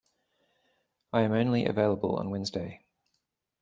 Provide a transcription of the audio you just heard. I am only available on Wednesday.